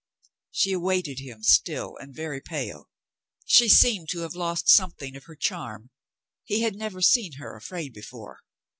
She awaited him, still and very pale. She seemed to have lost something of her charm. He had never seen her afraid before.